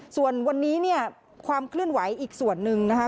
ส่วนวันนี้เนี่ยความเคลื่อนไหวอีกส่วนหนึ่งนะคะ